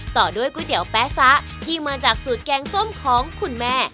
ต่อด้วยก๋วยเตี๋ยวแป๊ซะที่มาจากสูตรแกงส้มของคุณแม่